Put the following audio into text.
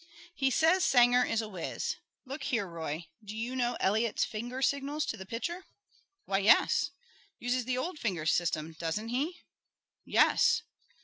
"He says Sanger is a wiz. Look here, Roy, do you know Eliot's finger signals to the pitcher?" "Why, yes." "Uses the old finger system, doesn't he?" "Yes."